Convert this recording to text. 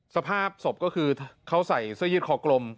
สภาพศพก็คือเขาใส่เสื้อยืดคอกลม